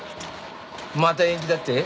また延期だって？